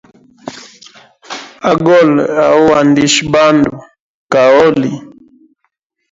Agole hauandisha bandu kaoli.